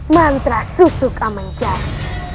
mantra susu kemencai